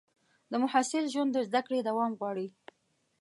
د محصل ژوند د زده کړې دوام غواړي.